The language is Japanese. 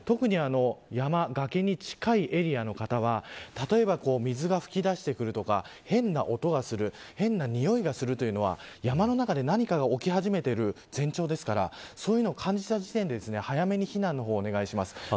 特に山、崖に近いエリアの方は水が吹き出してくるとか変な音がする変なにおいがするというのは山の中で、何かが起き始めている前兆ですからそういうのを感じた時点で早めに避難をお願いします。